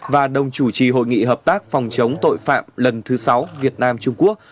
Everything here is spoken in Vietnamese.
và đồng chủ trì hội nghị hợp tác phòng chống tội phạm lần thứ sáu việt nam trung quốc